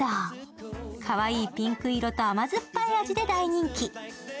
かわいいピンク色と甘酸っぱい味で大人気。